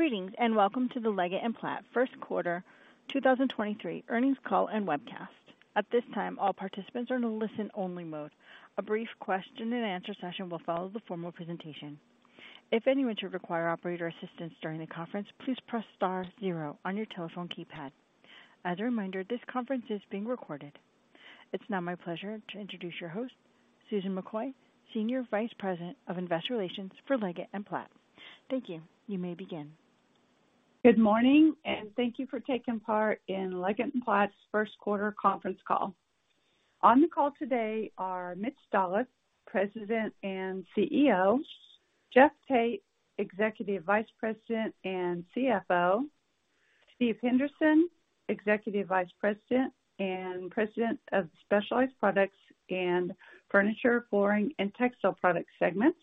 Greetings, welcome to the Leggett & Platt first quarter 2023 earnings call and webcast. At this time, all participants are in a listen-only mode. A brief question and answer session will follow the formal presentation. If anyone should require operator assistance during the conference, please press star zero on your telephone keypad. As a reminder, this conference is being recorded. It's now my pleasure to introduce your host, Susan McCoy, Senior Vice President of Investor Relations for Leggett & Platt. Thank you. You may begin. Good morning, and thank you for taking part in Leggett & Platt's first quarter conference call. On the call today are Mitch Dolloff, President and CEO. Jeff Tate, Executive Vice President and CFO. Steve Henderson, Executive Vice President and President of Specialized Products and Furniture, Flooring & Textile Products segments.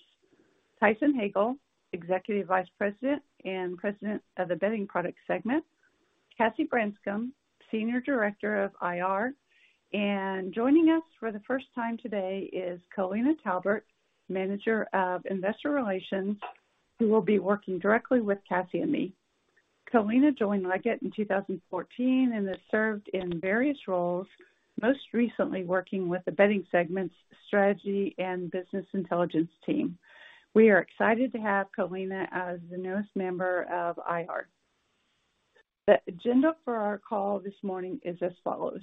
Tyson Hagale, Executive Vice President and President of the Bedding Products segment. Cassie Branscum, Senior Director of IR. Joining us for the first time today is Kolina Talbert, Manager of Investor Relations, who will be working directly with Cassie and me. Kolina joined Leggett in 2014 and has served in various roles, most recently working with the Bedding Segment's Strategy and Business Intelligence team. We are excited to have Kolina as the newest member of IR. The agenda for our call this morning is as follows.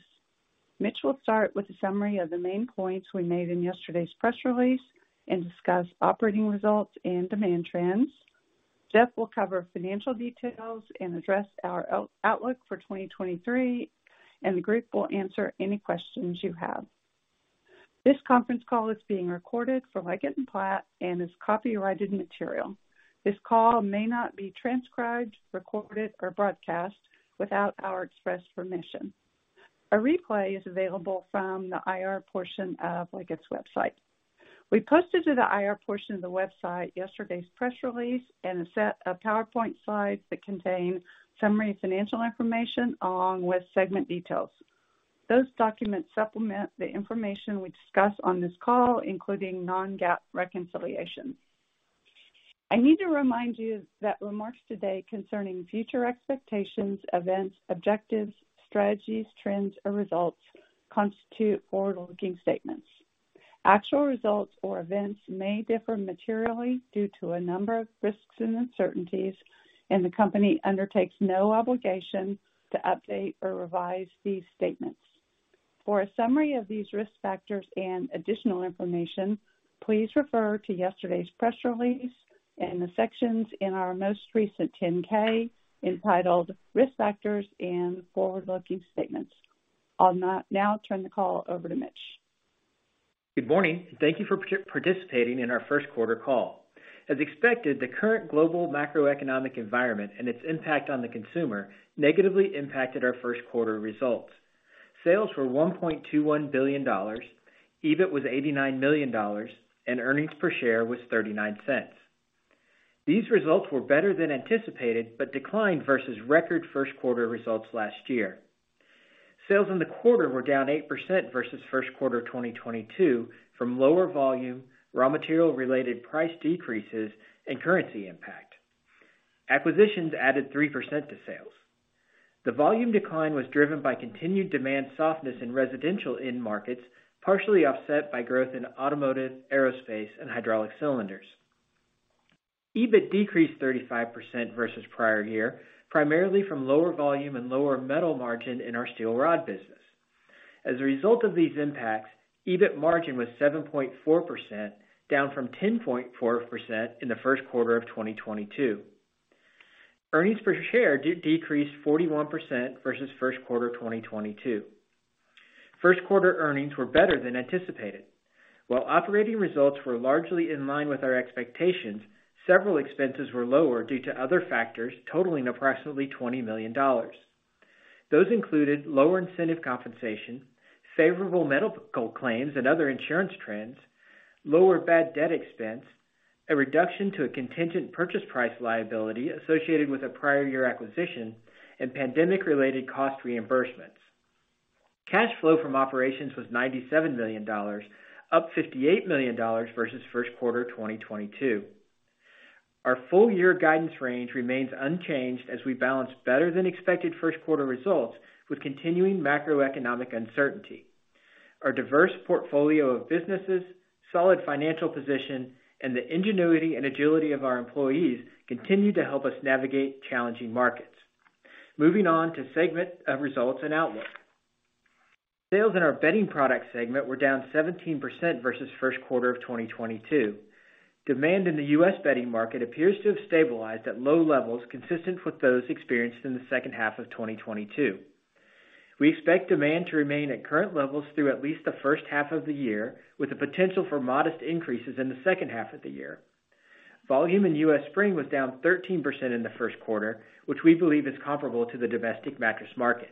Mitch will start with a summary of the main points we made in yesterday's press release and discuss operating results and demand trends. Jeff will cover financial details and address our outlook for 2023. The group will answer any questions you have. This conference call is being recorded for Leggett & Platt and is copyrighted material. This call may not be transcribed, recorded, or broadcast without our express permission. A replay is available from the IR portion of Leggett's website. We posted to the IR portion of the website yesterday's press release and a set of PowerPoint slides that contain summary financial information along with segment details. Those documents supplement the information we discuss on this call, including non-GAAP reconciliations. I need to remind you that remarks today concerning future expectations, events, objectives, strategies, trends, or results constitute forward-looking statements. Actual results or events may differ materially due to a number of risks and uncertainties, and the company undertakes no obligation to update or revise these statements. For a summary of these risk factors and additional information, please refer to yesterday's press release in the sections in our most recent 10-K entitled Risk Factors and Forward-Looking Statements. I'll now turn the call over to Mitch. Good morning, and thank you for participating in our first quarter call. As expected, the current global macroeconomic environment and its impact on the consumer negatively impacted our first quarter results. Sales were $1.21 billion, EBIT was $89 million, and earnings per share was $0.39. These results were better than anticipated, but declined versus record first quarter results last year. Sales in the quarter were down 8% versus first quarter 2022 from lower volume, raw material related price decreases, and currency impact. Acquisitions added 3% to sales. The volume decline was driven by continued demand softness in residential end markets, partially offset by growth in automotive, aerospace, and hydraulic cylinders. EBIT decreased 35% versus prior year, primarily from lower volume and lower metal margin in our steel rod business. As a result of these impacts, EBIT margin was 7.4%, down from 10.4% in the first quarter of 2022. Earnings per share decreased 41% versus first quarter 2022. First quarter earnings were better than anticipated. While operating results were largely in line with our expectations, several expenses were lower due to other factors totaling approximately $20 million. Those included lower incentive compensation, favorable medical claims and other insurance trends, lower bad debt expense, a reduction to a contingent purchase price liability associated with a prior year acquisition, and pandemic related cost reimbursements. Cash flow from operations was $97 million, up $58 million versus first quarter 2022. Our full-year guidance range remains unchanged as we balance better than expected first quarter results with continuing macroeconomic uncertainty. Our diverse portfolio of businesses, solid financial position, and the ingenuity and agility of our employees continue to help us navigate challenging markets. Moving on to segment results and outlook. Sales in our Bedding Products segment were down 17% versus first quarter of 2022. Demand in the U.S. bedding market appears to have stabilized at low levels, consistent with those experienced in the second half of 2022. We expect demand to remain at current levels through at least the first half of the year, with the potential for modest increases in the second half of the year. Volume in U.S. Spring was down 13% in the first quarter, which we believe is comparable to the domestic mattress market.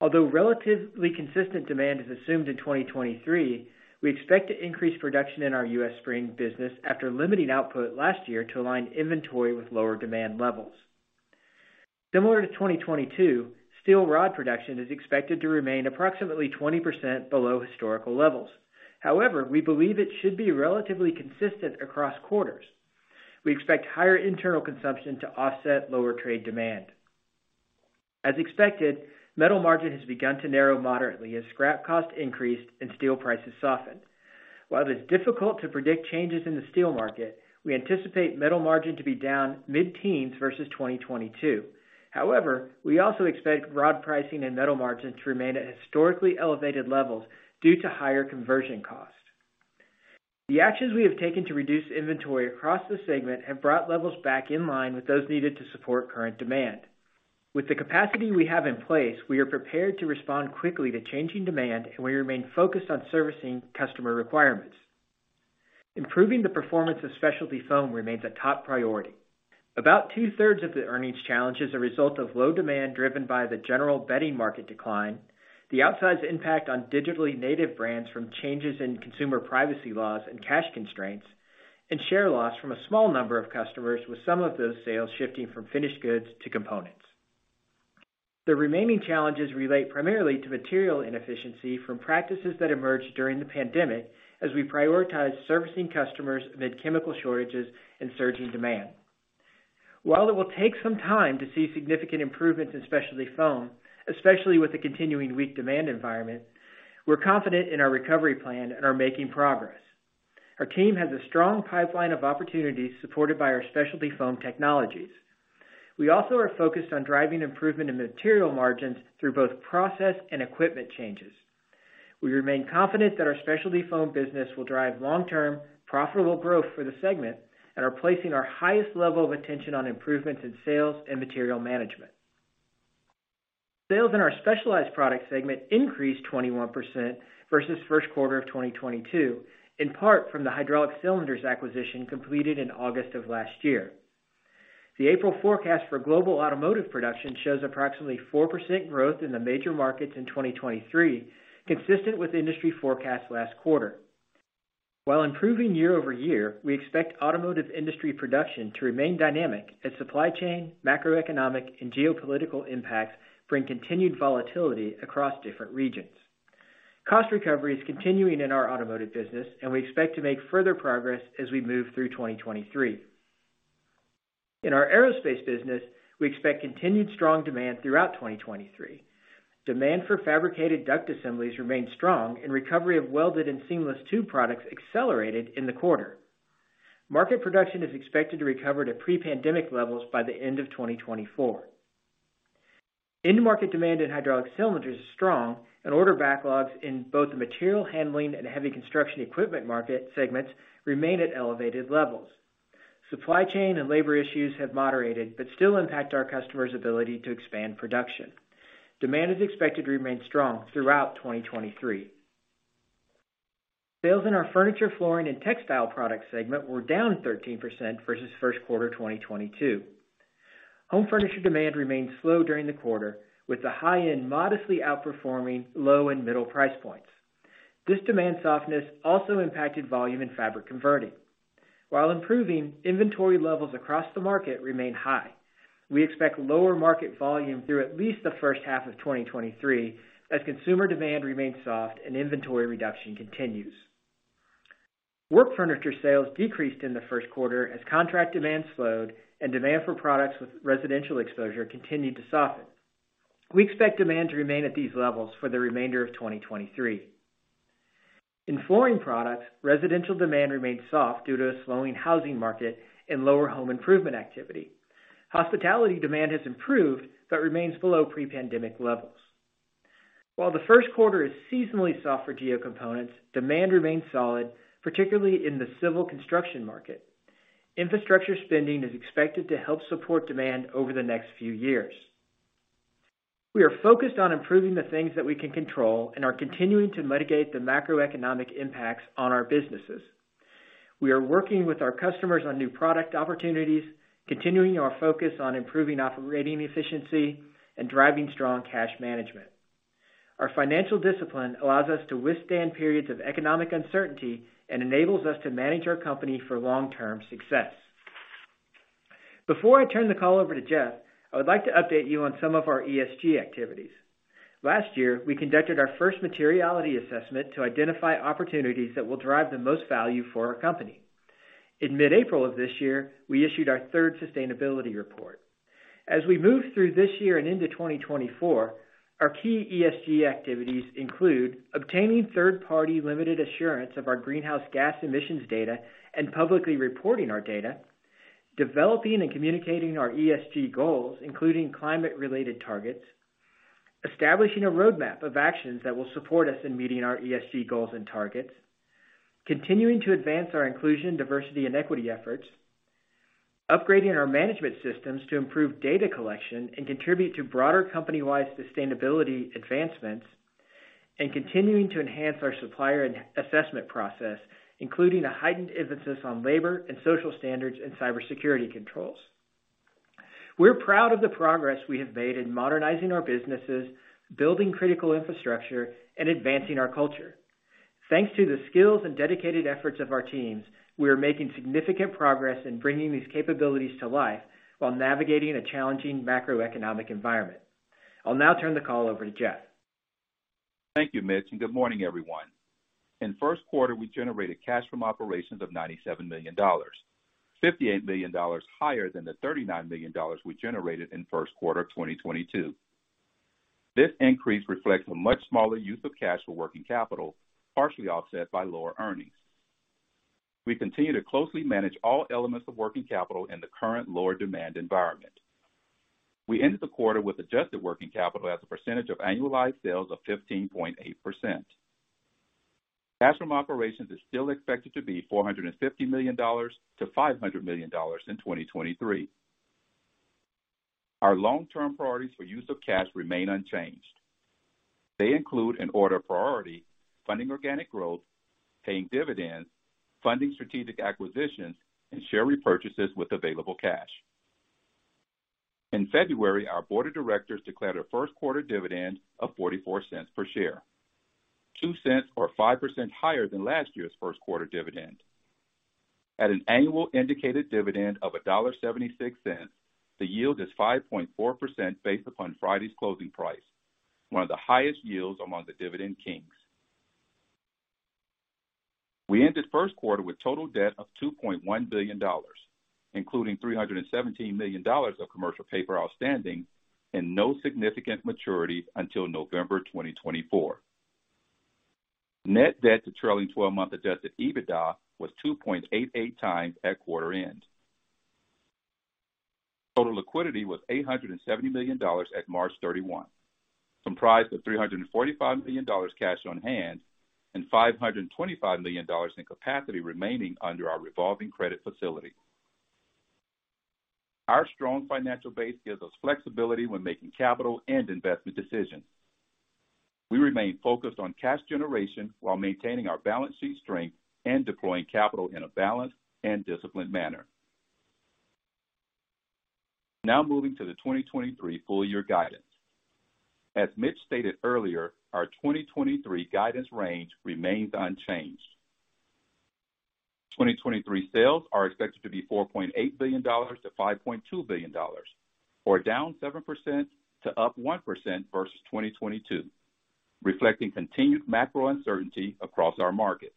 Although relatively consistent demand is assumed in 2023, we expect to increase production in our U.S. Spring business after limiting output last year to align inventory with lower demand levels. Similar to 2022, steel rod production is expected to remain approximately 20% below historical levels. However, we believe it should be relatively consistent across quarters. We expect higher internal consumption to offset lower trade demand. As expected, metal margin has begun to narrow moderately as scrap costs increased and steel prices soften. While it's difficult to predict changes in the steel market, we anticipate metal margin to be down mid-teens versus 2022. However, we also expect rod pricing and metal margins to remain at historically elevated levels due to higher conversion costs. The actions we have taken to reduce inventory across the segment have brought levels back in line with those needed to support current demand. With the capacity we have in place, we are prepared to respond quickly to changing demand, and we remain focused on servicing customer requirements. Improving the performance of specialty foam remains a top priority. About 2/3 of the earnings challenge is a result of low demand driven by the general bedding market decline, the outsized impact on digitally native brands from changes in consumer privacy laws and cash constraints, and share loss from a small number of customers, with some of those sales shifting from finished goods to components. The remaining challenges relate primarily to material inefficiency from practices that emerged during the pandemic as we prioritize servicing customers amid chemical shortages and surging demand. While it will take some time to see significant improvements in specialty foam, especially with the continuing weak demand environment, we're confident in our recovery plan and are making progress. Our team has a strong pipeline of opportunities supported by our specialty foam technologies. We also are focused on driving improvement in material margins through both process and equipment changes. We remain confident that our specialty foam business will drive long-term profitable growth for the segment and are placing our highest level of attention on improvements in sales and material management. Sales in our Specialized Products segment increased 21% versus first quarter of 2022, in part from the hydraulic cylinders acquisition completed in August of last year. The April forecast for global automotive production shows approximately 4% growth in the major markets in 2023, consistent with industry forecasts last quarter. While improving year-over-year, we expect automotive industry production to remain dynamic as supply chain, macroeconomic, and geopolitical impacts bring continued volatility across different regions. Cost recovery is continuing in our automotive business, and we expect to make further progress as we move through 2023. In our aerospace business, we expect continued strong demand throughout 2023. Demand for fabricated duct assemblies remained strong, and recovery of welded and seamless tube products accelerated in the quarter. Market production is expected to recover to pre-pandemic levels by the end of 2024. End market demand in hydraulic cylinders is strong, and order backlogs in both the material handling and heavy construction equipment market segments remain at elevated levels. Supply chain and labor issues have moderated but still impact our customers' ability to expand production. Demand is expected to remain strong throughout 2023. Sales in our Furniture, Flooring, and Textile Products segment were down 13% versus first quarter 2022. Home furniture demand remained slow during the quarter, with the high end modestly outperforming low and middle price points. This demand softness also impacted volume and fabric converting. While improving, inventory levels across the market remain high. We expect lower market volume through at least the first half of 2023, as consumer demand remains soft and inventory reduction continues. Work furniture sales decreased in the first quarter as contract demand slowed and demand for products with residential exposure continued to soften. We expect demand to remain at these levels for the remainder of 2023. In flooring products, residential demand remained soft due to a slowing housing market and lower home improvement activity. Hospitality demand has improved but remains below pre-pandemic levels. While the first quarter is seasonally soft for geo components, demand remains solid, particularly in the civil construction market. Infrastructure spending is expected to help support demand over the next few years. We are focused on improving the things that we can control and are continuing to mitigate the macroeconomic impacts on our businesses. We are working with our customers on new product opportunities, continuing our focus on improving operating efficiency and driving strong cash management. Our financial discipline allows us to withstand periods of economic uncertainty and enables us to manage our company for long-term success. Before I turn the call over to Jeff, I would like to update you on some of our ESG activities. Last year, we conducted our first materiality assessment to identify opportunities that will drive the most value for our company. In mid-April of this year, we issued our third sustainability report. As we move through this year and into 2024, our key ESG activities include obtaining third-party limited assurance of our greenhouse gas emissions data and publicly reporting our data, developing and communicating our ESG goals, including climate-related targets, establishing a roadmap of actions that will support us in meeting our ESG goals and targets, continuing to advance our Inclusion, Diversity, and Equity efforts, upgrading our management systems to improve data collection and contribute to broader company-wide sustainability advancements, and continuing to enhance our supplier as-assessment process, including a heightened emphasis on labor and social standards and cybersecurity controls. We're proud of the progress we have made in modernizing our businesses, building critical infrastructure, and advancing our culture. Thanks to the skills and dedicated efforts of our teams, we are making significant progress in bringing these capabilities to life while navigating a challenging macroeconomic environment. I'll now turn the call over to Jeff. Thank you, Mitch. Good morning, everyone. In first quarter, we generated cash from operations of $97 million, $58 million higher than the $39 million we generated in first quarter of 2022. This increase reflects a much smaller use of cash for working capital, partially offset by lower earnings. We continue to closely manage all elements of working capital in the current lower demand environment. We ended the quarter with adjusted working capital as a percentage of annualized sales of 15.8%. Cash from operations is still expected to be $450-500 million in 2023. Our long-term priorities for use of cash remain unchanged. They include an order of priority, funding organic growth, paying dividends, funding strategic acquisitions, and share repurchases with available cash. In February, our board of directors declared a first quarter dividend of $0.44 per share, $0.02 or 5% higher than last year's first quarter dividend. At an annual indicated dividend of $1.76, the yield is 5.4% based upon Friday's closing price, one of the highest yields among the Dividend Kings. We ended first quarter with total debt of $2.1 billion, including $317 million of commercial paper outstanding and no significant maturities until November 2024. Net debt to trailing twelve-month adjusted EBITDA was 2.88 times at quarter end. Total liquidity was $870 million at March 31, comprised of $345 million cash on hand and $525 million in capacity remaining under our revolving credit facility. Our strong financial base gives us flexibility when making capital and investment decisions. We remain focused on cash generation while maintaining our balance sheet strength and deploying capital in a balanced and disciplined manner. Now moving to the 2023 full-year guidance. As Mitch stated earlier, our 2023 guidance range remains unchanged. 2023 sales are expected to be $4.8-5.2 billion or down 7% to up 1% versus 2022, reflecting continued macro uncertainty across our markets.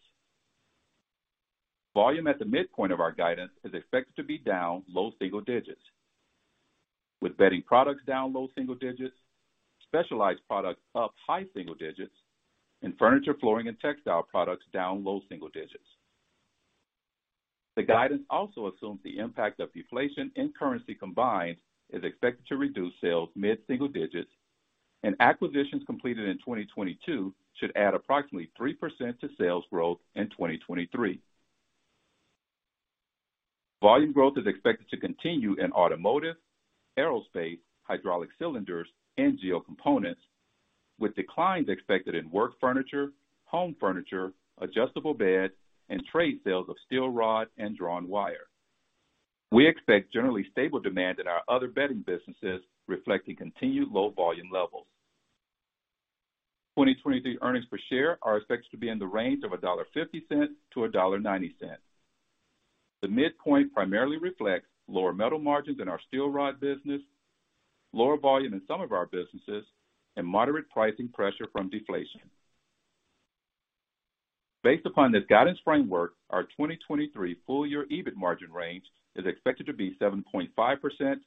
Volume at the midpoint of our guidance is expected to be down low single digits, with Bedding Products down low single digits, Specialized Products up high single digits, and Furniture, Flooring & Textile Products down low single digits. The guidance also assumes the impact of deflation and currency combined is expected to reduce sales mid-single digits, and acquisitions completed in 2022 should add approximately 3% to sales growth in 2023. Volume growth is expected to continue in automotive, aerospace, hydraulic cylinders, and geo components, with declines expected in Work Furniture, Home Furniture, adjustable bed, and trade sales of steel rod and drawn wire. We expect generally stable demand in our other bedding businesses, reflecting continued low volume levels. 2023 earnings per share are expected to be in the range of $1.50-1.90. The midpoint primarily reflects lower metal margins in our steel rod business, lower volume in some of our businesses, and moderate pricing pressure from deflation. Based upon this guidance framework, our 2023 full-year EBIT margin range is expected to be 7.5%-8%.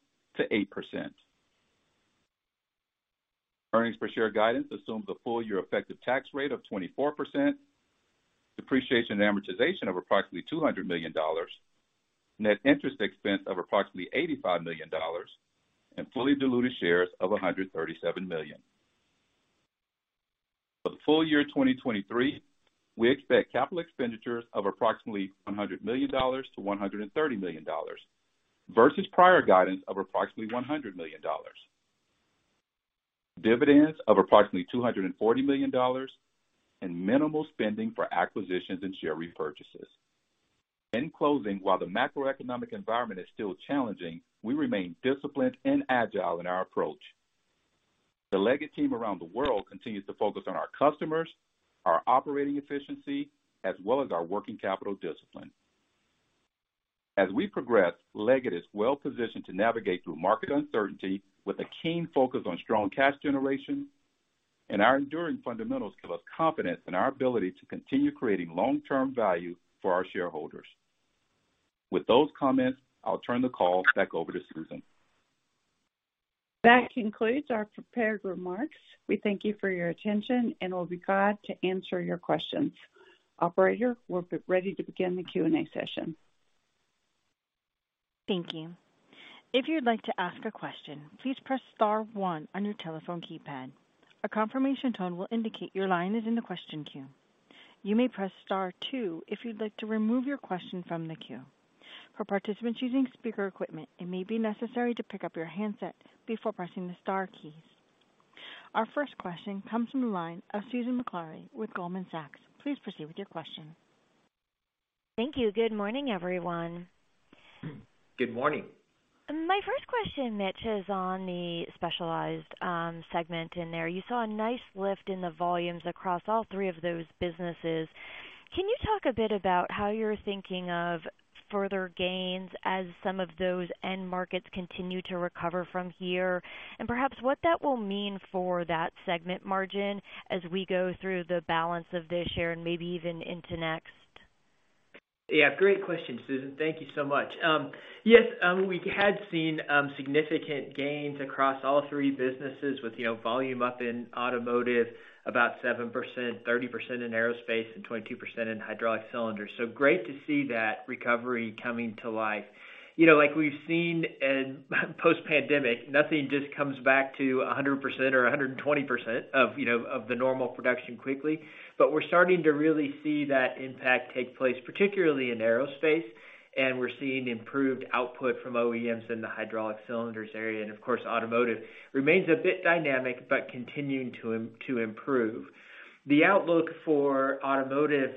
Earnings per share guidance assumes a full-year effective tax rate of 24%, depreciation and amortization of approximately $200 million, net interest expense of approximately $85 million, and fully diluted shares of 137 million. For the full-year 2023, we expect capital expenditures of approximately $100-130 million versus prior guidance of approximately $100 million, dividends of approximately $240 million, and minimal spending for acquisitions and share repurchases. In closing, while the macroeconomic environment is still challenging, we remain disciplined and agile in our approach. The Leggett team around the world continues to focus on our customers, our operating efficiency, as well as our working capital discipline. As we progress, Leggett is well positioned to navigate through market uncertainty with a keen focus on strong cash generation. Our enduring fundamentals give us confidence in our ability to continue creating long-term value for our shareholders. With those comments, I'll turn the call back over to Susan. That concludes our prepared remarks. We thank you for your attention and we'll be glad to answer your questions. Operator, we're ready to begin the Q&A session. Thank you. If you'd like to ask a question, please press star one on your telephone keypad. A confirmation tone will indicate your line is in the question queue. You may press star two if you'd like to remove your question from the queue. For participants using speaker equipment, it may be necessary to pick up your handset before pressing the star keys. Our first question comes from the line of Susan Maklari with Goldman Sachs. Please proceed with your question. Thank you. Good morning, everyone. Good morning. My first question, Mitch, is on the Specialized segment in there. You saw a nice lift in the volumes across all three of those businesses. Can you talk a bit about how you're thinking of further gains as some of those end markets continue to recover from here? Perhaps what that will mean for that segment margin as we go through the balance of this year and maybe even into next. Yeah. Great question, Susan. Thank you so much. Yes, we had seen significant gains across all three businesses with, you know, volume up in automotive, about 7%, 30% in aerospace, and 22% in hydraulic cylinders. Great to see that recovery coming to life. You know, like we've seen in post-pandemic, nothing just comes back to 100% or 120% of, you know, of the normal production quickly. We're starting to really see that impact take place, particularly in aerospace, and we're seeing improved output from OEMs in the hydraulic cylinders area. Of course, automotive remains a bit dynamic, but continuing to improve. The outlook for automotive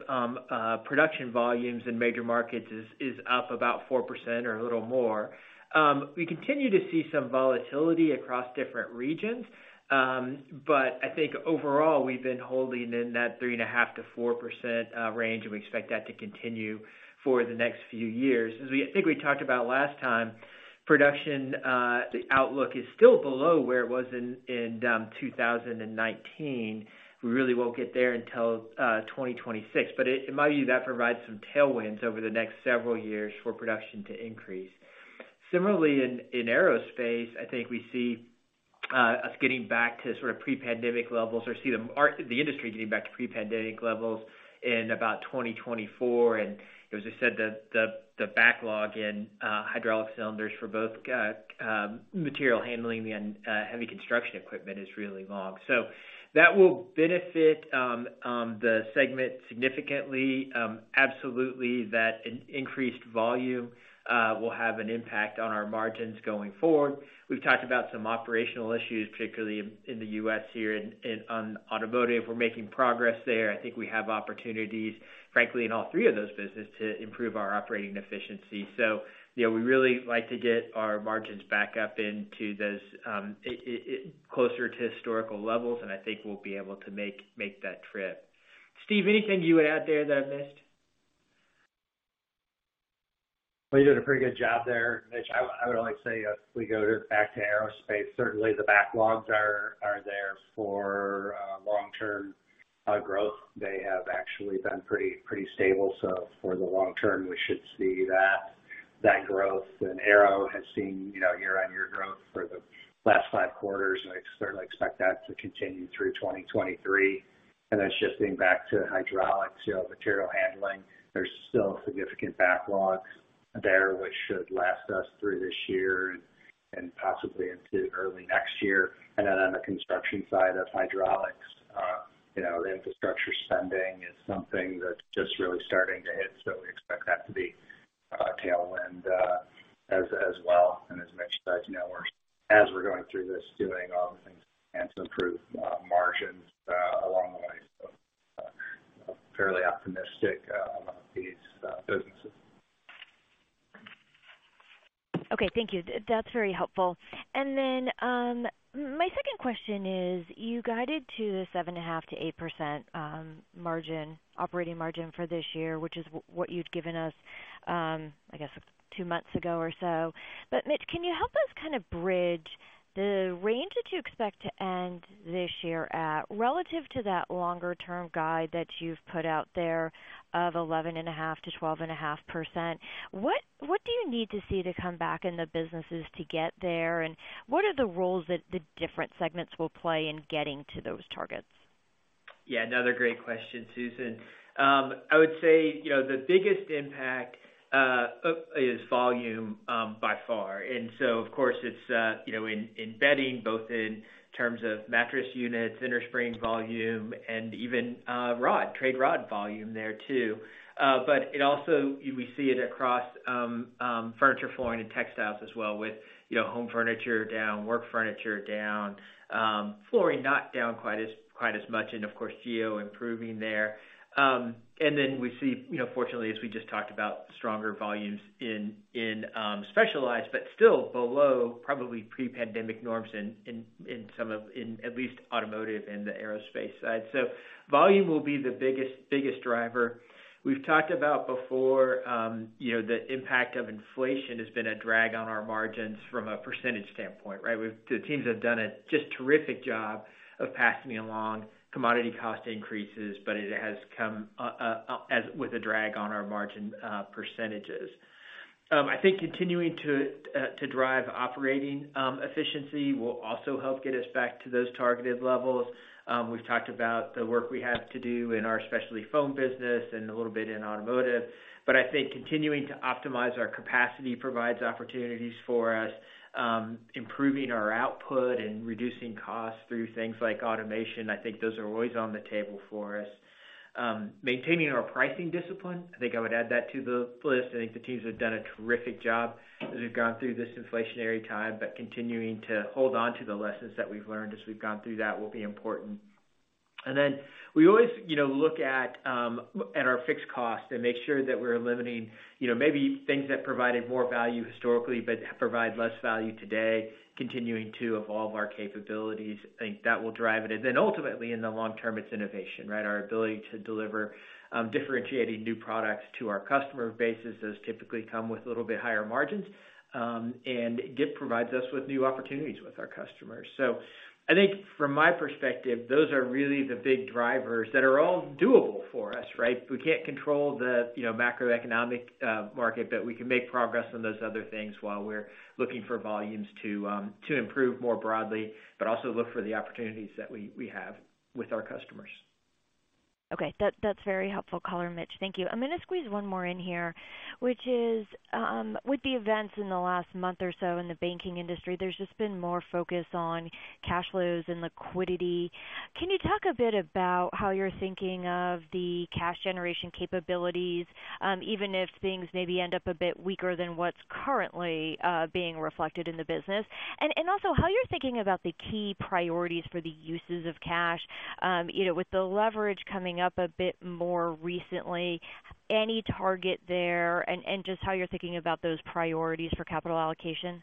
production volumes in major markets is up about 4% or a little more. We continue to see some volatility across different regions. I think overall, we've been holding in that 3.5%-4% range, and we expect that to continue for the next few years. As I think we talked about last time, production outlook is still below where it was in 2019. We really won't get there until 2026. In my view, that provides some tailwinds over the next several years for production to increase. Similarly, in aerospace, I think we see us getting back to sort of pre-pandemic levels or the industry getting back to pre-pandemic levels in about 2024. As I said, the, the backlog in hydraulic cylinders for both material handling and heavy construction equipment is really long. That will benefit the segment significantly. Absolutely that increased volume will have an impact on our margins going forward. We've talked about some operational issues, particularly in the U.S. here on automotive. We're making progress there. I think we have opportunities, frankly, in all three of those business to improve our operating efficiency. You know, we really like to get our margins back up into those closer to historical levels, and I think we'll be able to make that trip. Steve, anything you would add there that I've missed? You did a pretty good job there, Mitch. I would only say if we go to back to aerospace, certainly the backlogs are there for long-term growth. They have actually been pretty stable. For the long term, we should see that growth. Aero has seen, you know, year-on-year growth for the last five quarters, and I certainly expect that to continue through 2023. Shifting back to hydraulics, you know, material handling. There's still significant backlogs there, which should last us through this year and possibly into early next year. On the construction side of hydraulics, you know, infrastructure spending is something that's just really starting to hit, so we expect that to be a tailwind as well. As Mitch said, you know, we're, as we're going through this, doing all the things and to improve margins along the way. Fairly optimistic about these businesses. Okay. Thank you. That's very helpful. Then my second question is, you guided to the 7.5%-8% margin, operating margin for this year, which is what you'd given us, I guess two months ago or so. Mitch, can you help us kind of bridge the range that you expect to end this year at relative to that longer term guide that you've put out there of 11.5%-12.5%? What do you need to see to come back in the businesses to get there? What are the roles that the different segments will play in getting to those targets? Yeah, another great question, Susan. I would say, you know, the biggest impact is volume by far. Of course it's, you know, in Bedding both in terms of mattress units, innerspring volume, and even steel rod volume there too. It also, we see it across Furniture, Flooring & Textile Products as well with, you know, Home Furniture down, Work Furniture down, Flooring Products not down quite as much, and of course geo improving there. Then we see, you know, fortunately, as we just talked about, stronger volumes in Specialized Products, but still below probably pre-pandemic norms in some of, in at least automotive and the aerospace side. Volume will be the biggest driver. We've talked about before, you know, the impact of inflation has been a drag on our margins from a % standpoint, right? The teams have done a just terrific job of passing along commodity cost increases, but it has come as with a drag on our margin %. I think continuing to drive operating efficiency will also help get us back to those targeted levels. We've talked about the work we have to do in our specialty foam business and a little bit in automotive. I think continuing to optimize our capacity provides opportunities for us, improving our output and reducing costs through things like automation. I think those are always on the table for us. Maintaining our pricing discipline, I think I would add that to the list. I think the teams have done a terrific job as we've gone through this inflationary time. Continuing to hold onto the lessons that we've learned as we've gone through that will be important. We always, you know, look at our fixed costs and make sure that we're eliminating, you know, maybe things that provided more value historically but provide less value today, continuing to evolve our capabilities. I think that will drive it. Ultimately, in the long term, it's innovation, right? Our ability to deliver differentiating new products to our customer bases, those typically come with a little bit higher margins, and it provides us with new opportunities with our customers. I think from my perspective, those are really the big drivers that are all doable for us, right? We can't control the, you know, macroeconomic market, but we can make progress on those other things while we're looking for volumes to improve more broadly, but also look for the opportunities that we have with our customers. Okay. That's very helpful, Mitch, thank you. I'm gonna squeeze one more in here, which is with the events in the last month or so in the banking industry, there's just been more focus on cash flows and liquidity. Can you talk a bit about how you're thinking of the cash generation capabilities, even if things maybe end up a bit weaker than what's currently being reflected in the business? Also how you're thinking about the key priorities for the uses of cash, you know, with the leverage coming up a bit more recently, any target there, and just how you're thinking about those priorities for capital allocation.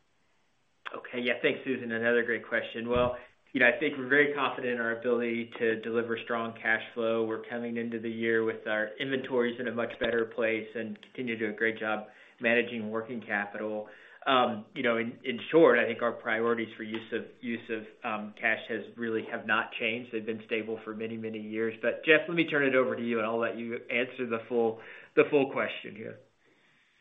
Okay. Yeah. Thanks, Susan. Another great question. Well, you know, I think we're very confident in our ability to deliver strong cash flow. We're coming into the year with our inventories in a much better place and continue to do a great job managing working capital. You know, in short, I think our priorities for use of cash has really have not changed. They've been stable for many, many years. Jeff, let me turn it over to you, and I'll let you answer the full question here.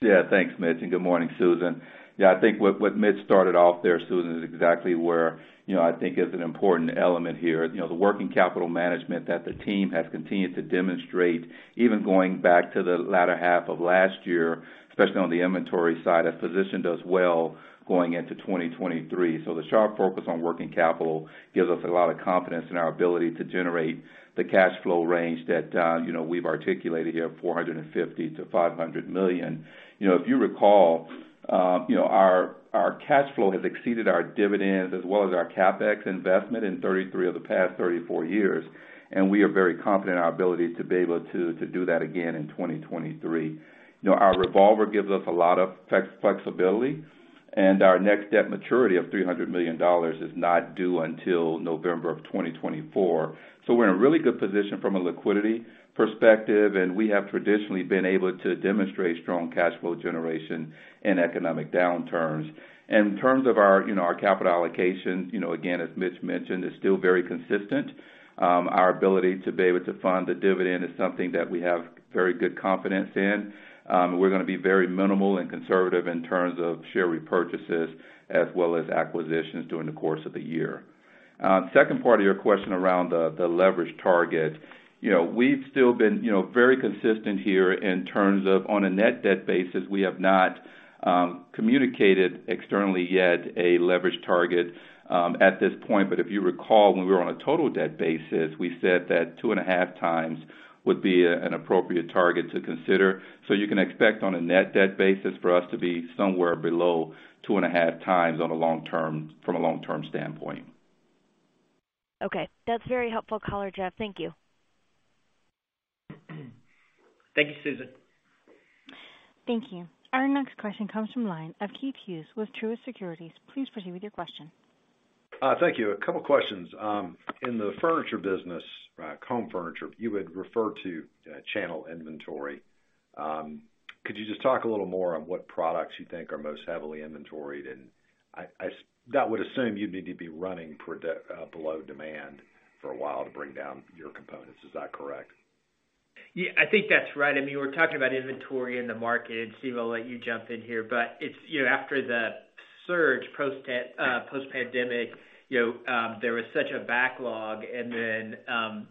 Yeah. Thanks, Mitch. Good morning, Susan. Yeah. I think what Mitch started off there, Susan, is exactly where, you know, I think is an important element here. You know, the working capital management that the team has continued to demonstrate, even going back to the latter half of last year, especially on the inventory side, has positioned us well going into 2023. The sharp focus on working capital gives us a lot of confidence in our ability to generate the cash flow range that, you know, we've articulated here, $450-500 million. You know, if you recall, you know, our cash flow has exceeded our dividends as well as our CapEx investment in 33 of the past 34 years, we are very confident in our ability to be able to do that again in 2023. You know, our revolver gives us a lot of flexibility, and our next debt maturity of $300 million is not due until November 2024. We're in a really good position from a liquidity perspective, and we have traditionally been able to demonstrate strong cash flow generation in economic downturns. In terms of our, you know, our capital allocation, you know, again, as Mitch mentioned, is still very consistent. Our ability to be able to fund the dividend is something that we have very good confidence in. We're gonna be very minimal and conservative in terms of share repurchases as well as acquisitions during the course of the year. Second part of your question around the leverage target. You know, we've still been, you know, very consistent here in terms of on a net debt basis, we have not communicated externally yet a leverage target at this point. If you recall, when we were on a total debt basis, we said that 2.5 times would be an appropriate target to consider. You can expect on a net debt basis for us to be somewhere below 2.5 times from a long-term standpoint. Okay. That's very helpful, caller Jeff. Thank you. Thank you, Susan. Thank you. Our next question comes from line of Keith Hughes with Truist Securities. Please proceed with your question. Thank you. A couple questions. In the furniture business, Home Furniture, you had referred to channel inventory. Could you just talk a little more on what products you think are most heavily inventoried? That would assume you'd need to be running below demand for a while to bring down your components. Is that correct? Yeah, I think that's right. I mean, we're talking about inventory in the market, and Steve, I'll let you jump in here. It's, you know, after the surge, post-pandemic, you know, there was such a backlog, and then,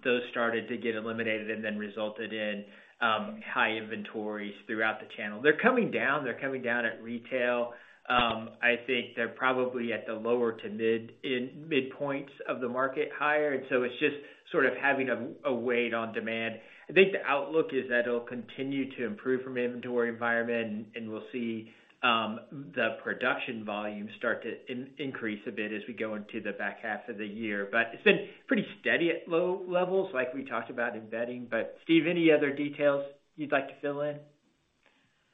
those started to get eliminated and then resulted in, high inventories throughout the channel. They're coming down. They're coming down at retail. I think they're probably at the lower to mid, in mid points of the market higher. It's just sort of having a wait on demand. I think the outlook is that it'll continue to improve from inventory environment, and we'll see the production volume start to increase a bit as we go into the back half of the year. It's been pretty steady at low levels, like we talked about in Bedding. Steve, any other details you'd like to fill in?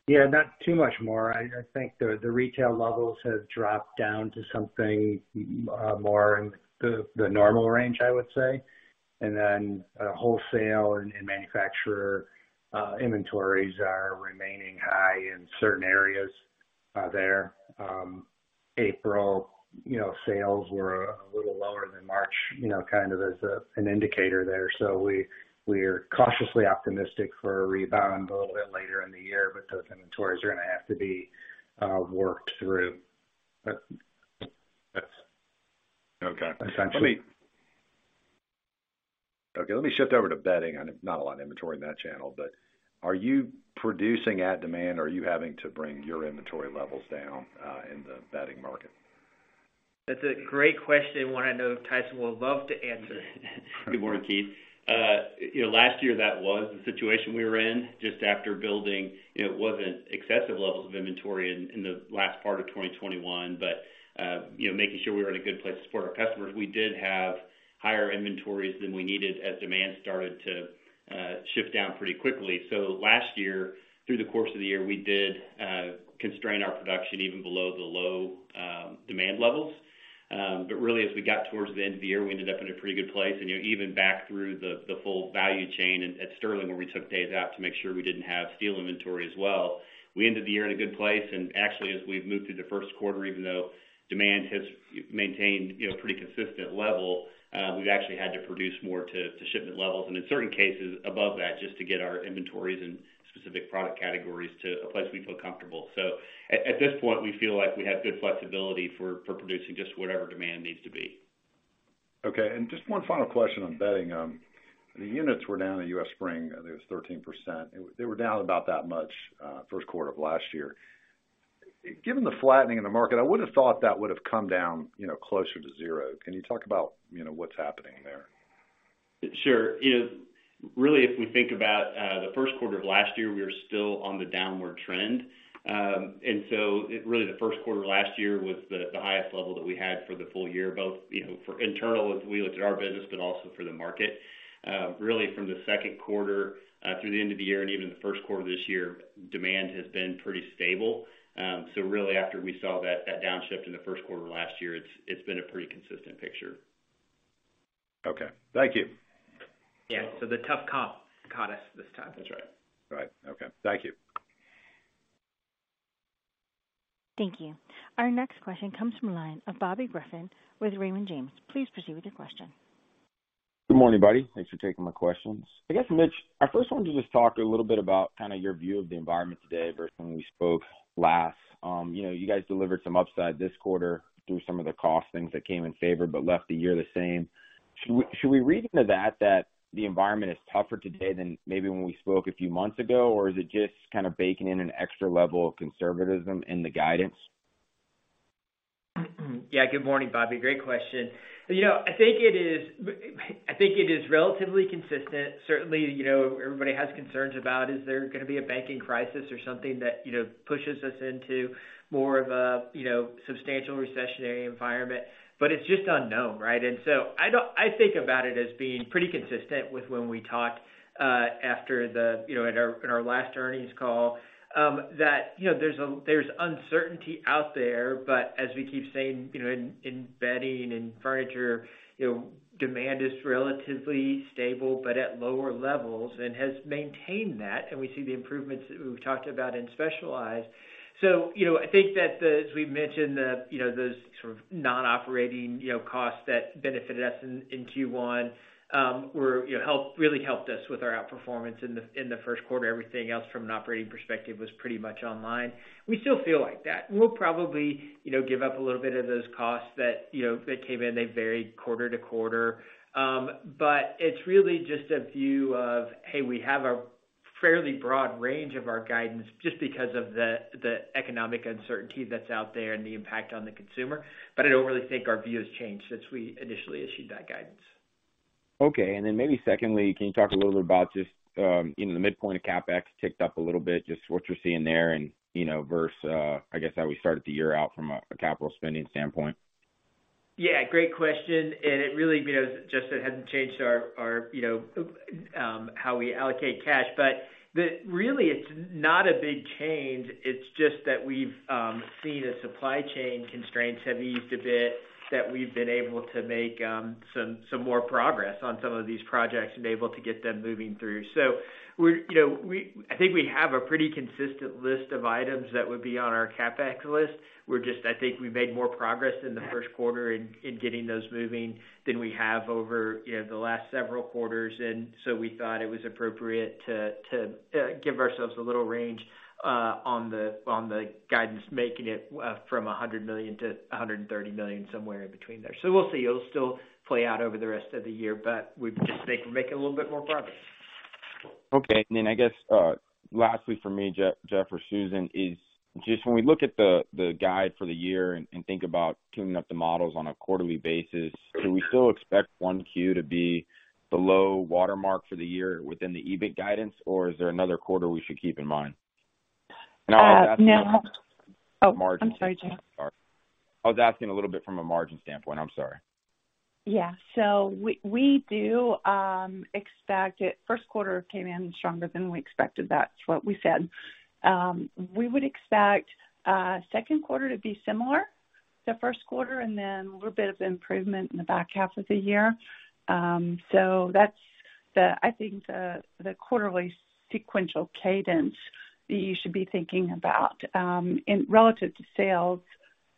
Yeah, not too much more. I think the retail levels have dropped down to something more in the normal range, I would say. Wholesale and manufacturer inventories are remaining high in certain areas there. April, you know, sales were a little lower than March, you know, kind of as an indicator there. We're cautiously optimistic for a rebound a little bit later in the year, but those inventories are gonna have to be worked through. That's. Okay. Essentially. Okay, let me shift over to bedding. I know not a lot of inventory in that channel, but are you producing at demand or are you having to bring your inventory levels down, in the bedding market? That's a great question. One I know Tyson will love to answer. Good morning, Keith. You know, last year that was the situation we were in just after building, you know, wasn't excessive levels of inventory in the last part of 2021. You know, making sure we were in a good place to support our customers. We did have higher inventories than we needed as demand started to shift down pretty quickly. Last year, through the course of the year, we did constrain our production even below the low demand levels. But really, as we got towards the end of the year, we ended up in a pretty good place. You know, even back through the full value chain at Sterling, where we took days out to make sure we didn't have steel inventory as well. We ended the year in a good place. Actually, as we've moved through the first quarter, even though demand has maintained, you know, pretty consistent level, we've actually had to produce more to shipment levels and in certain cases above that, just to get our inventories in specific product categories to a place we feel comfortable. At this point, we feel like we have good flexibility for producing just whatever demand needs to be. Okay. Just one final question on Bedding. The units were down in U.S. Spring, I think it was 13%. They were down about that much, first quarter of last year. Given the flattening in the market, I would have thought that would have come down, you know, closer to zero. Can you talk about, you know, what's happening there? Sure. You know, really, if we think about, the first quarter of last year, we were still on the downward trend. Really the first quarter of last year was the highest level that we had for the full-year, both, you know, for internal as we looked at our business, but also for the market. Really from the second quarter, through the end of the year and even the first quarter of this year, demand has been pretty stable. Really after we saw that downshift in the first quarter last year, it's been a pretty consistent picture. Okay, thank you. Yeah. The tough comp caught us this time. That's right. Right. Okay. Thank you. Thank you. Our next question comes from line of Bobby Griffin with Raymond James. Please proceed with your question. Good morning, buddy. Thanks for taking my questions. I guess, Mitch, I first wanted to just talk a little bit about kinda your view of the environment today versus when we spoke last. You know, you guys delivered some upside this quarter through some of the cost things that came in favor, but left the year the same. Should we read into that the environment is tougher today than maybe when we spoke a few months ago? Or is it just kinda baking in an extra level of conservatism in the guidance? Good morning, Bobby. Great question. You know, I think it is relatively consistent. Certainly, you know, everybody has concerns about is there gonna be a banking crisis or something that, you know, pushes us into more of a, you know, substantial recessionary environment. It's just unknown, right? I think about it as being pretty consistent with when we talked after the... you know, at our last earnings call, that, you know, there's uncertainty out there. As we keep saying, you know, in bedding, in furniture, you know, demand is relatively stable but at lower levels and has maintained that. We see the improvements that we've talked about in specialized. You know, I think that the-- as we've mentioned, the, you know, those sort of non-operating, you know, costs that benefited us in Q1, were, you know, really helped us with our outperformance in the, in the first quarter. Everything else from an operating perspective was pretty much online. We still feel like that. We'll probably, you know, give up a little bit of those costs that, you know, that came in. They varied quarter-to-quarter. It's really just a view of, hey, we have a fairly broad range of our guidance just because of the economic uncertainty that's out there and the impact on the consumer. I don't really think our view has changed since we initially issued that guidance. Okay. Maybe secondly, can you talk a little bit about just, you know, the midpoint of CapEx ticked up a little bit, just what you're seeing there and, you know, versus, I guess how we started the year out from a capital spending standpoint? Yeah, great question. It really, you know, just it hadn't changed our, you know, how we allocate cash, really, it's not a big change. It's just that we've seen as supply chain constraints have eased a bit, that we've been able to make some more progress on some of these projects and able to get them moving through. You know, I think we have a pretty consistent list of items that would be on our CapEx list. I think we made more progress in the first quarter in getting those moving than we have over, you know, the last several quarters. We thought it was appropriate to give ourselves a little range on the guidance, making it from $100 million to $130 million, somewhere in between there. We'll see. It'll still play out over the rest of the year, but we just think we're making a little bit more progress. Okay. I guess, lastly from me, Jeff or Susan, is just when we look at the guide for the year and think about tuning up the models on a quarterly basis, do we still expect 1Q to be the low watermark for the year within the EBIT guidance, or is there another quarter we should keep in mind? No. Oh, I'm sorry, Jeff. I was asking a little bit from a margin standpoint. I'm sorry. Yeah. We, we do expect it. First quarter came in stronger than we expected. That's what we said. We would expect second quarter to be similar to first quarter and then a little bit of improvement in the back half of the year. That's the I think the quarterly sequential cadence that you should be thinking about. Relative to sales,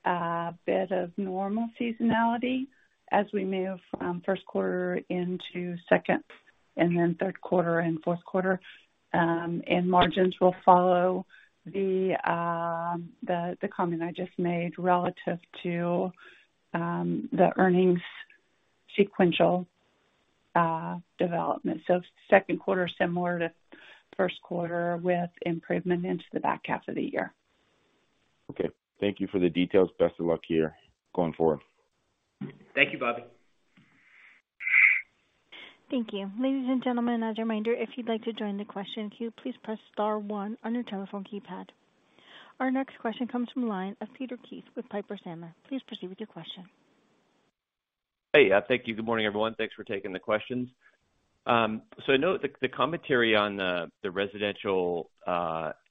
a bit of normal seasonality as we move from first quarter into second and then third quarter and fourth quarter. Margins will follow the comment I just made relative to the earnings sequential development. Second quarter similar to first quarter with improvement into the back half of the year. Okay. Thank you for the details. Best of luck here going forward. Thank you, Bobby. Thank you. Ladies and gentlemen, as a reminder, if you'd like to join the question queue, please press star one on your telephone keypad. Our next question comes from the line of Peter Keith with Piper Sandler. Please proceed with your question. Hey. Yeah, thank you. Good morning, everyone. Thanks for taking the questions. I know the commentary on the residential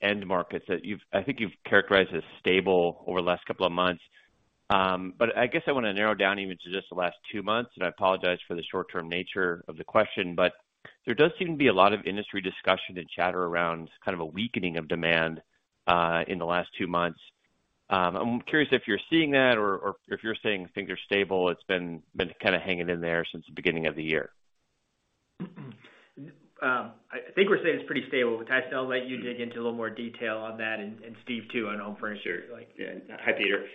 end markets that I think you've characterized as stable over the last couple of months. I guess I wanna narrow down even to just the last two months, and I apologize for the short-term nature of the question, but there does seem to be a lot of industry discussion and chatter around kind of a weakening of demand in the last 2 months. I'm curious if you're seeing that or if you're saying things are stable, it's been kinda hanging in there since the beginning of the year. I think we're saying it's pretty stable. Tyson, I'll let you dig into a little more detail on that and Steve too on home furnishings. Sure. Yeah. Hi, Peter.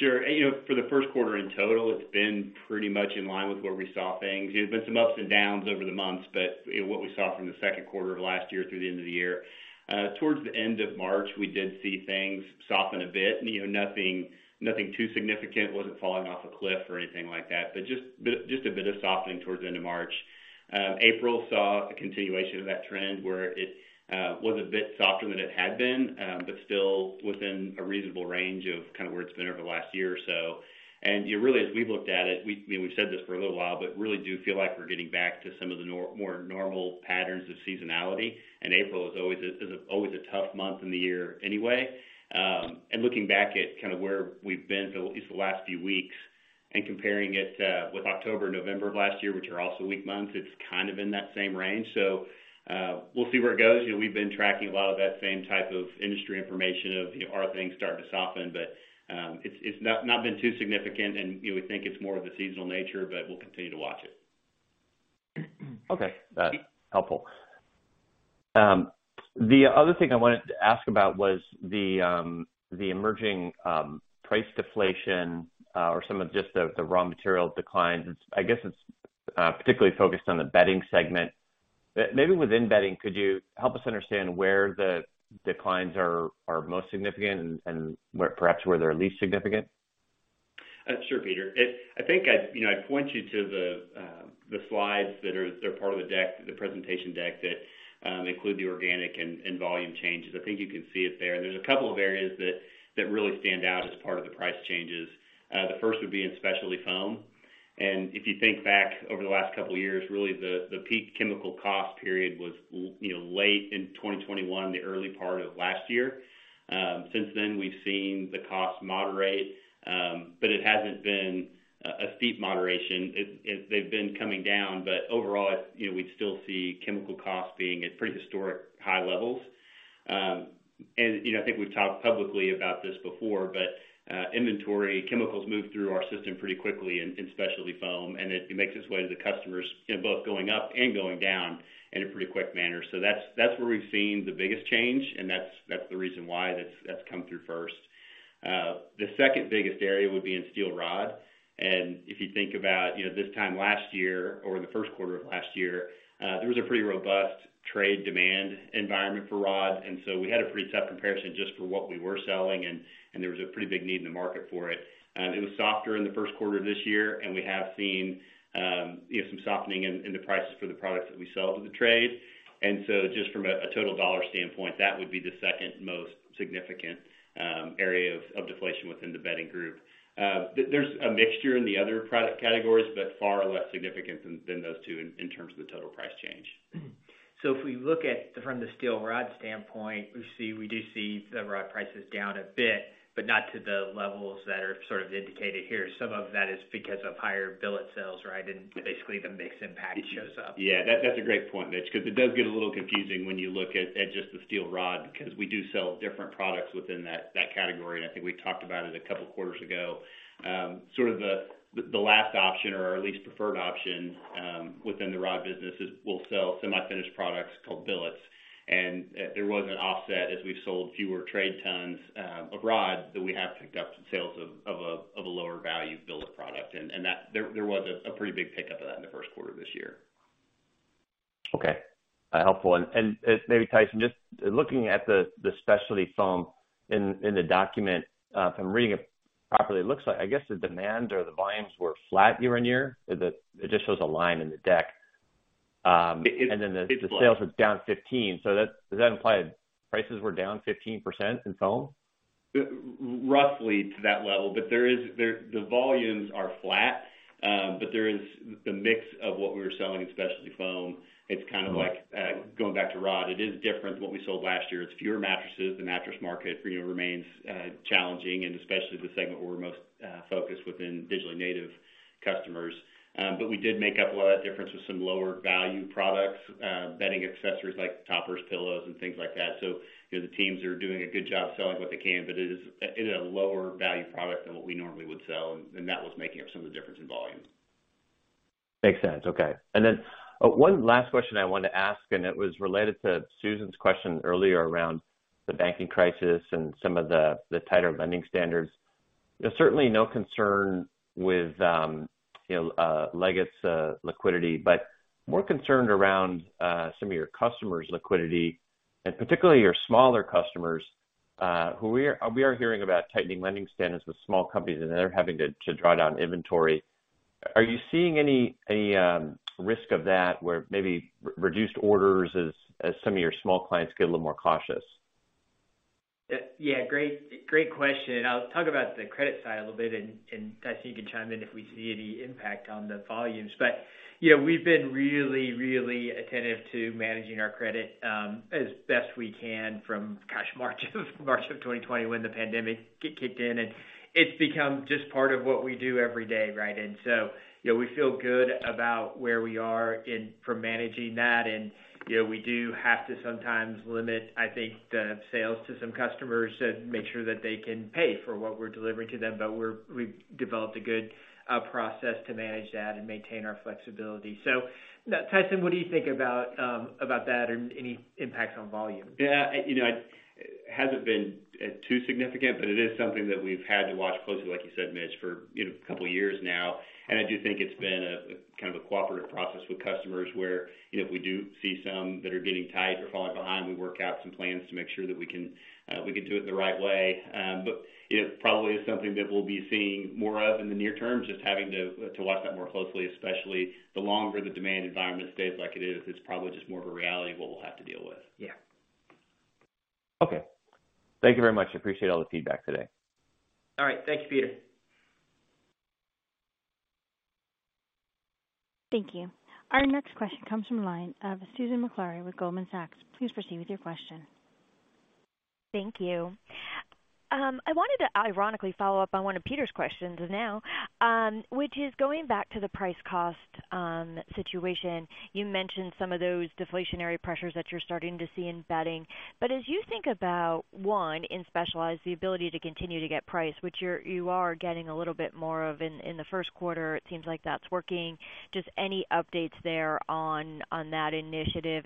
Sure. You know, for the first quarter in total, it's been pretty much in line with where we saw things. There's been some ups and downs over the months, but, you know, what we saw from the second quarter of last year through the end of the year. Towards the end of March, we did see things soften a bit and, you know, nothing too significant. It wasn't falling off a cliff or anything like that, but just a bit of softening towards the end of March. April saw a continuation of that trend where it was a bit softer than it had been, but still within a reasonable range of kind of where it's been over the last one year or so. Really, as we've looked at it, I mean, we've said this for a little while, but really do feel like we're getting back to some of the more normal patterns of seasonality. April is always a tough month in the year anyway. Looking back at kind of where we've been for at least the last few weeks and comparing it with October, November of last year, which are also weak months, it's kind of in that same range. We'll see where it goes. You know, we've been tracking a lot of that same type of industry information of, you know, are things starting to soften? It's not been too significant and we think it's more of the seasonal nature, but we'll continue to watch it. Okay. That's helpful. The other thing I wanted to ask about was the emerging price deflation, or some of just the raw material declines. I guess it's particularly focused on the bedding segment. Maybe within bedding, could you help us understand where the declines are most significant and, perhaps where they're least significant? Sure, Peter. I think I, you know, I point you to the slides that they're part of the deck, the presentation deck that include the organic and volume changes. I think you can see it there. There's a couple of areas that really stand out as part of the price changes. The first would be in specialty foam. If you think back over the last couple of years, really the peak chemical cost period was you know, late in 2021, the early part of last year. Since then we've seen the cost moderate, but it hasn't been a steep moderation. They've been coming down, but overall, you know, we'd still see chemical costs being at pretty historic high levels. You know, I think we've talked publicly about this before, inventory chemicals move through our system pretty quickly in specialty foam, and it makes its way to the customers, you know, both going up and going down in a pretty quick manner. That's where we've seen the biggest change, and that's the reason why that's come through first. The second biggest area would be in steel rod. If you think about, you know, this time last year or the first quarter of last year, there was a pretty robust trade demand environment for rod. We had a pretty tough comparison just for what we were selling and there was a pretty big need in the market for it. It was softer in the first quarter of this year. We have seen, you know, some softening in the prices for the products that we sell to the trade. Just from a total dollar standpoint, that would be the second most significant area of deflation within the bedding group. There's a mixture in the other product categories, but far less significant than those two in terms of the total price change. If we look at from the steel rod standpoint, we do see the rod prices down a bit, but not to the levels that are sort of indicated here. Some of that is because of higher billet sales, right? Basically the mix impact shows up. Yeah. That's a great point, Mitch, 'cause it does get a little confusing when you look at just the steel rod because we do sell different products within that category, and I think we talked about it a couple of quarters ago. Sort of the last option or our least preferred option within the rod business is we'll sell semi-finished products called billets. There was an offset as we sold fewer trade tons of rod that we have picked up sales of a lower value billet product. There was a pretty big pickup of that in the first quarter this year. Okay. Helpful. Maybe, Tyson, just looking at the specialty foam in the document, if I'm reading it properly, it looks like I guess the demand or the volumes were flat year-on-year. It just shows a line in the deck. It, it's- The sales were down 15%. Does that imply prices were down 15% in foam? Roughly to that level. The volumes are flat, but there is the mix of what we were selling in specialty foam. It's kind of like going back to rod. It is different to what we sold last year. It's fewer mattresses. The mattress market, you know, remains challenging and especially the segment where we're most focused within digitally native customers. We did make up a lot of that difference with some lower value products, bedding accessories like toppers, pillows and things like that. You know, the teams are doing a good job selling what they can, but it is a lower value product than what we normally would sell. That was making up some of the difference in volume. Makes sense. Okay. Then, one last question I wanted to ask, and it was related to Susan's question earlier around the banking crisis and some of the tighter lending standards. There's certainly no concern with, you know, Leggett's liquidity, but more concerned around some of your customers' liquidity and particularly your smaller customers, who we are hearing about tightening lending standards with small companies, and they're having to draw down inventory. Are you seeing any risk of that where maybe reduced orders as some of your small clients get a little more cautious? Yeah. Great, great question. I'll talk about the credit side a little bit, and Tyson, you can chime in if we see any impact on the volumes. You know, we've been really, really attentive to managing our credit as best we can from, gosh, March of 2020 when the pandemic get kicked in, and it's become just part of what we do every day, right? You know, we feel good about where we are in from managing that. You know, we do have to sometimes limit, I think, the sales to some customers to make sure that they can pay for what we're delivering to them. We've developed a good process to manage that and maintain our flexibility. Tyson, what do you think about about that and any impacts on volume? Yeah. You know, it hasn't been too significant, but it is something that we've had to watch closely, like you said, Mitch, for, you know, two years now. I do think it's been a kind of a cooperative process with customers where, you know, if we do see some that are getting tight or falling behind, we work out some plans to make sure that we can do it the right way. It probably is something that we'll be seeing more of in the near term, just having to watch that more closely, especially the longer the demand environment stays like it is. It's probably just more of a reality of what we'll have to deal with. Yeah. Okay. Thank you very much. I appreciate all the feedback today. All right. Thank you, Peter. Thank you. Our next question comes from the line of Susan Maklari with Goldman Sachs. Please proceed with your question. Thank you. I wanted to ironically follow up on one of Peter's question, which is going back to the price cost situation. You mentioned some of those deflationary pressures that you're starting to see in Bedding Products. As you think about, one, in Specialized Products, the ability to continue to get price, which you are getting a little bit more of in the first quarter, it seems like that's working. Just any updates there on that initiative.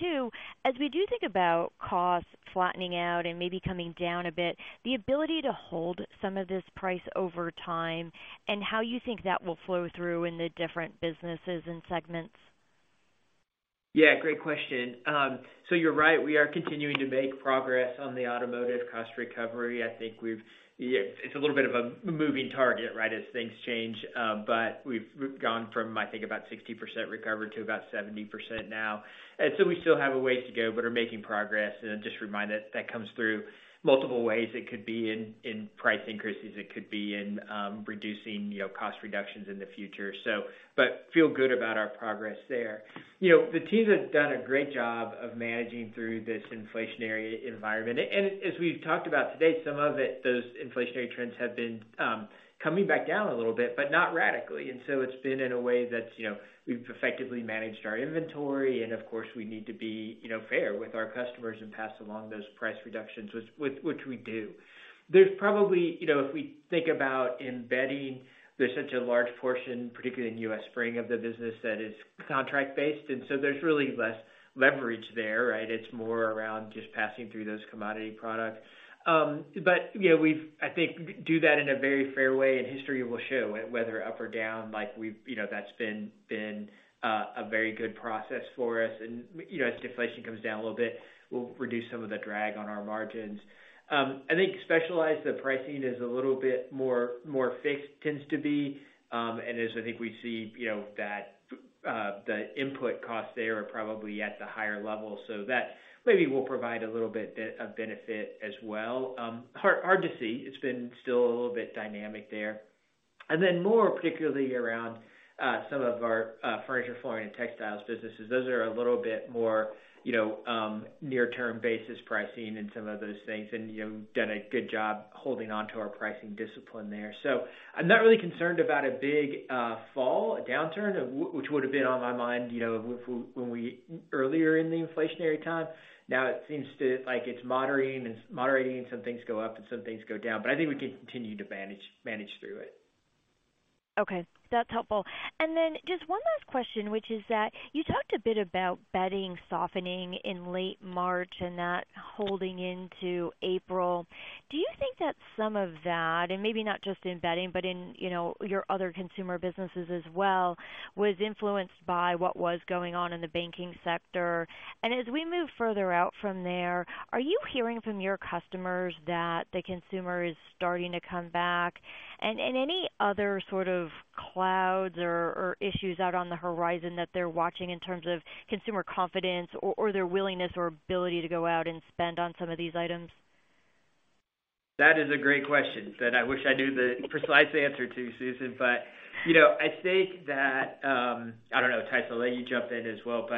Two, as we do think about costs flattening out and maybe coming down a bit, the ability to hold some of this price over time and how you think that will flow through in the different businesses and segments. Yeah, great question. You're right, we are continuing to make progress on the automotive cost recovery. I think it's a little bit of a moving target, right, as things change, but we've gone from, I think about 60% recovered to about 70% now. We still have a ways to go, but are making progress. Just remind us that comes through multiple ways. It could be in price increases, it could be in reducing, you know, cost reductions in the future. Feel good about our progress there. You know, the team has done a great job of managing through this inflationary environment. As we've talked about today, some of it, those inflationary trends have been coming back down a little bit, but not radically. It's been in a way that's, you know, we've effectively managed our inventory and of course, we need to be, you know, fair with our customers and pass along those price reductions, which we do. There's probably, you know, if we think about in bedding, there's such a large portion, particularly in U.S. Spring of the business that is contract based, and so there's really less leverage there, right? It's more around just passing through those commodity products. You know, I think do that in a very fair way and history will show whether up or down like we've, you know, that's been a very good process for us. You know, as deflation comes down a little bit, we'll reduce some of the drag on our margins. I think Specialized, the pricing is a little bit more fixed tends to be. As I think we see, you know, that the input costs there are probably at the higher level, so that maybe will provide a little bit of benefit as well. Hard to see. It's been still a little bit dynamic there. More particularly around some of our Furniture, Flooring and Textile Products businesses, those are a little bit more, you know, near-term basis pricing and some of those things and, you know, done a good job holding onto our pricing discipline there. I'm not really concerned about a big fall, a downturn, which would have been on my mind, you know, when we earlier in the inflationary time. Now it seems to, like it's moderating. Some things go up and some things go down, but I think we can continue to manage through it. Okay, that's helpful. Then just one last question, which is that you talked a bit about bedding softening in late March and that holding into April. Do you think that some of that, and maybe not just in bedding, but in, you know, your other consumer businesses as well, was influenced by what was going on in the banking sector? As we move further out from there, are you hearing from your customers that the consumer is starting to come back? Any other sort of clouds or issues out on the horizon that they're watching in terms of consumer confidence or their willingness or ability to go out and spend on some of these items? That is a great question that I wish I knew the precise answer to, Susan. You know, I think that, I don't know, Tyson, I'll let you jump in as well.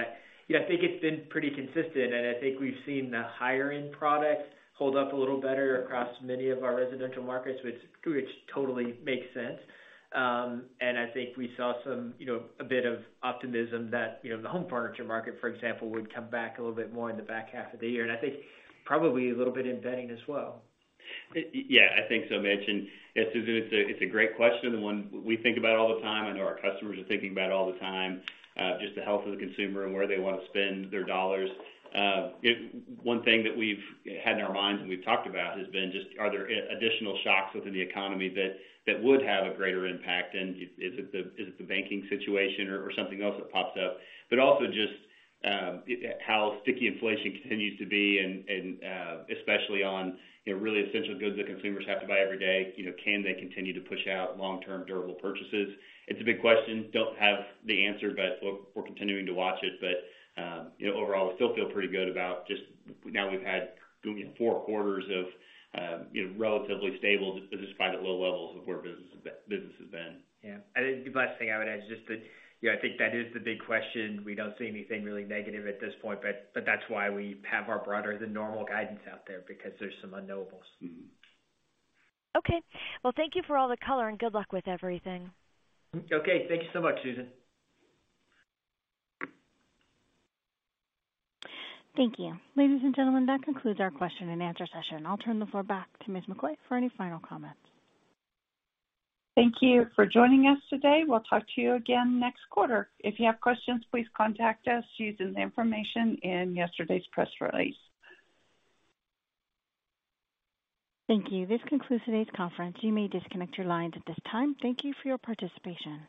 You know, I think it's been pretty consistent and I think we've seen the higher-end product hold up a little better across many of our residential markets, which totally makes sense. I think we saw some, you know, a bit of optimism that, you know, the Home Furniture market, for example, would come back a little bit more in the back half of the year. I think probably a little bit in bedding as well. Yeah, I think so, Mitch. Susan, it's a, it's a great question and one we think about all the time and our customers are thinking about all the time, just the health of the consumer and where they wanna spend their dollars. One thing that we've had in our minds and we've talked about has been just are there additional shocks within the economy that would have a greater impact? Is it the, is it the banking situation or something else that pops up? Also just how sticky inflation continues to be and, especially on, you know, really essential goods that consumers have to buy every day. You know, can they continue to push out long-term durable purchases? It's a big question. Don't have the answer, but we're continuing to watch it. You know, overall, we still feel pretty good about just now we've had four quarters of, you know, relatively stable, just despite at low levels of where business has been. Yeah. I think the last thing I would add is just that, you know, I think that is the big question. We don't see anything really negative at this point, but that's why we have our broader than normal guidance out there because there's some unknowables. Mm-hmm. Okay. Well, thank you for all the color and good luck with everything. Okay. Thank you so much, Susan. Thank you. Ladies and gentlemen, that concludes our question-and-answer session. I'll turn the floor back to Ms. McCoy for any final comments. Thank you for joining us today. We'll talk to you again next quarter. If you have questions, please contact us using the information in yesterday's press release. Thank you. This concludes today's conference. You may disconnect your lines at this time. Thank you for your participation.